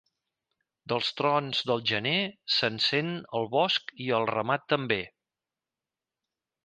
Dels trons de gener se'n sent el bosc i el ramat també.